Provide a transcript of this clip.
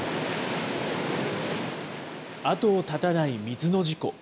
後を絶たない水の事故。